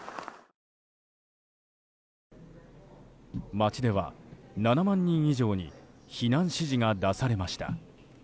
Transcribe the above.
街では７万人以上に避難指示が出されました。